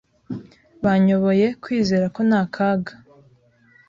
Banyoboye kwizera ko nta kaga.